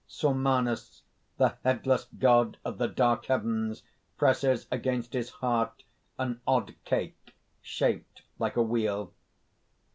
_ _Summanus, the headless god of the dark heavens, presses against his heart an odd cake shaped like a wheel.